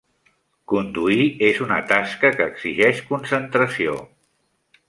Conduir és una tasca que exigeix concentració.